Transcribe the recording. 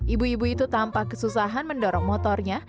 ibu ibu itu tanpa kesusahan mendorong motornya